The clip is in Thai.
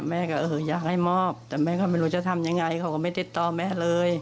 แม่ก็เอออยากให้มอบแต่แม่ก็ไม่รู้จะทำยังไงเขาก็ไม่ติดต่อแม่เลย